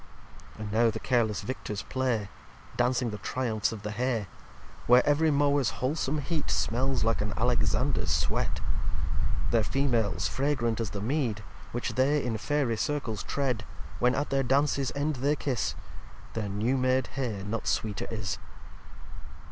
liv And now the careless Victors play, Dancing the Triumphs of the Hay; Where every Mowers wholesome Heat Smells like an Alexanders Sweat. Their Females fragrant as the Mead Which they in Fairy Circles tread: When at their Dances End they kiss, Their new made Hay not sweeter is.